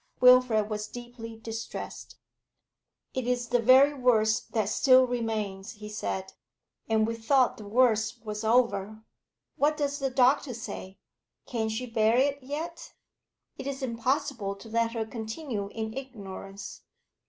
Wilfrid was deeply distressed. 'It is the very worst that still remains,' he said, 'and we thought the worst was over. What does the doctor say? Can she bear it yet? It is impossible to let her continue in ignorance.'